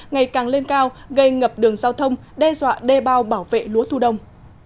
ngày càng lên cao gây ngập đường giao thông đe dọa đe bao bảo vệ lúa thu đông